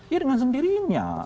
iya dengan sendirinya